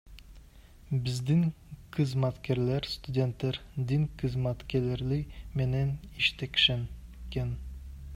Биздин кызматкерлер студенттер, дин кызматкерлери менен иштешкен.